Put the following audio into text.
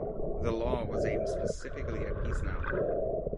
The law was aimed specifically at Peace Now.